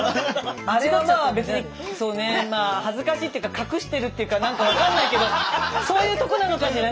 あれはまあ別にそうね恥ずかしいっていうか隠してるっていうか何か分かんないけどそういうとこなのかしらね？